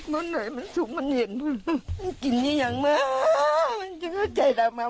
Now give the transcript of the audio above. ตอนเลี้ยงมานี่ดูแลอย่างดีเลยมั้ยยาย